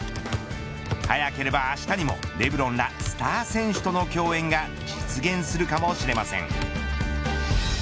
早ければあしたにもレブロンらスター選手との共演が実現するかもしれません。